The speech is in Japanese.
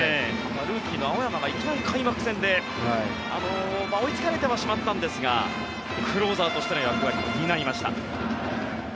ルーキーの青山が開幕戦で追いつかれてはしまったんですがクローザーとしての役割を担いました。